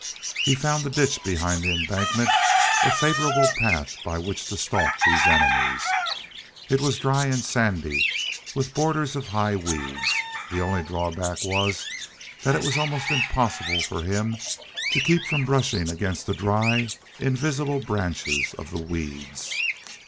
He found the ditch behind the embankment a favorable path by which to stalk these enemies. It was dry and sandy, with borders of high weeds. The only drawback was that it was almost impossible for him to keep from brushing against the dry, invisible branches of the weeds.